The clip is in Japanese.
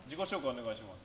お願いします。